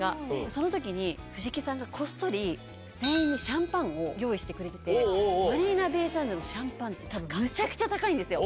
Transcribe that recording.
そのときに藤木さんがこっそり、全員にシャンパンを用意してくれてて、マリーナベイ・サンズのシャンパンってむちゃくちゃ高いんですよ。